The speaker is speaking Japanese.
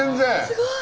すごい。